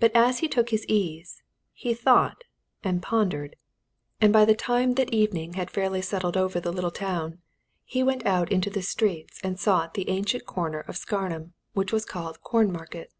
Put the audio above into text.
But as he took his ease, he thought and pondered, and by the time that evening had fairly settled over the little town, he went out into the streets and sought the ancient corner of Scarnham which was called Cornmarket.